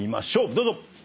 どうぞ！